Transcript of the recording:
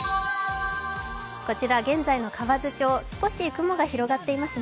こちら、現在の河津町、少し雲が広がっていますね。